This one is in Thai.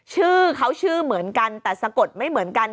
ชื่อเขาชื่อเหมือนกันแต่สะกดไม่เหมือนกัน